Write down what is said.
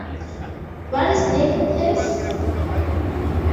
What is taking place?